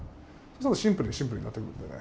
シンプルにシンプルになってくるのでね